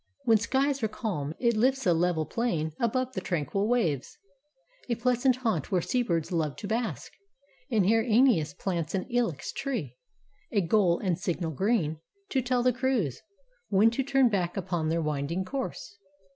When skies are calm, it lifts A level plain above the tranquil waves, A pleasant haunt where sea birds love to bask. And here ^Eneas plants an ilex tree, A goal and signal green, to tell the crews When to turn back upon their winding course.